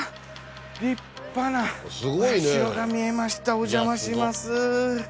立派なお社が見えましたお邪魔します。